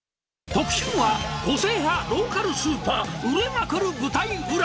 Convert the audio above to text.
特集は、個性派ローカルスーパー売れまくる舞台裏。